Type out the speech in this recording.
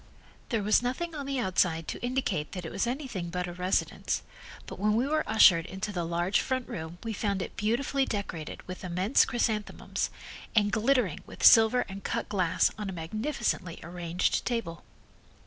There was nothing on the outside to indicate that it was anything but a residence, but when we were ushered into the large front room, we found it beautifully decorated with immense chrysanthemums, and glittering with silver and cut glass on a magnificently arranged table.